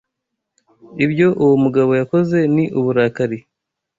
Ibyo uwo mugabo yakoze ni uburakari.